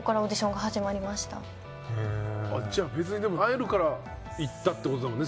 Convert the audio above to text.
じゃあ別に会えるから行ったってことだもんね